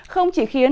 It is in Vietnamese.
không chỉ khiến